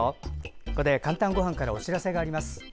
ここで「かんたんごはん」からお知らせがあります。